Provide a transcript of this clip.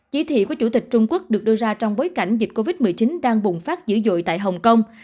chỉ thị của chủ tịch trung quốc được đưa ra trong bối cảnh dịch covid một mươi chín đang bùng phát dữ dội tại hồng kông